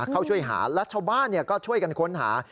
เข้าช่วยหาและชาวบ้านก็ช่วยกันค้นหา